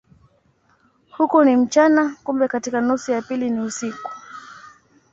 Huko ni mchana, kumbe katika nusu ya pili ni usiku.